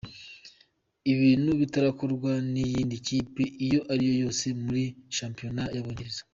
Ibintu bitarakorwa n’iyindi kipe iyo ari yo yose muri shampiyona y’Abongereza.